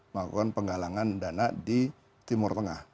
melakukan penggalangan dana di timur tengah